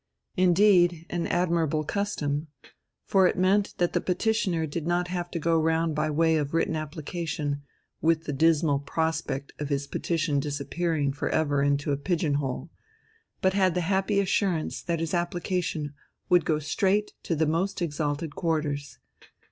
Indeed an admirable custom! For it meant that the petitioner did not have to go round by way of a written application, with the dismal prospect of his petition disappearing for ever into a pigeon hole, but had the happy assurance that his application would go straight to the most exalted quarters.